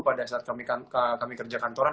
pada saat kami kerja kantoran